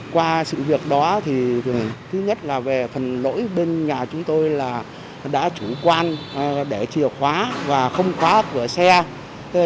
qua sự việc đó thì thứ nhất là về phần lỗi bên nhà chúng tôi là đã chủ quan để chìa khóa và không khóa cửa xe